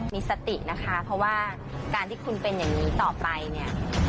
มีสตินะคะเพราะว่าการที่คุณเป็นอย่างนี้ต่อไปเนี่ย